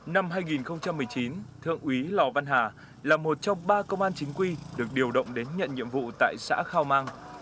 năm hai nghìn một mươi chín thượng úy lò văn hà là một trong ba công an chính quy được điều động đến nhận nhiệm vụ tại xã khao mang